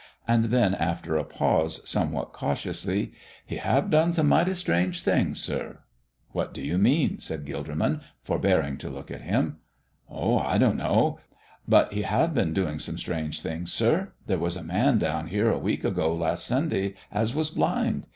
And then, after a pause, somewhat cautiously: "He have done some mighty strange things, sir." "What do you mean?" said Gilderman, forbearing to look at him. "Oh, I don't know; but He have been doing some strange things, sir. There was a man down here a week ago last Sunday as was blind.